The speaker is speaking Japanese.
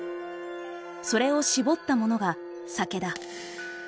それを搾ったものが酒だ。